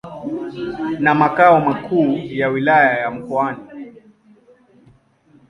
na makao makuu ya Wilaya ya Mkoani.